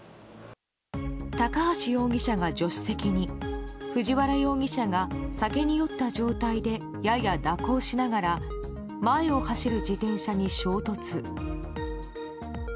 高橋容疑者が助手席に藤原容疑者が酒に酔った状態でやや蛇行しながら前を走る自転車に衝突。